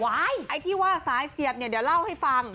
ไอ้ที่ว่าสายเสียบเนี่ยเดี๋ยวเล่าให้ฟัง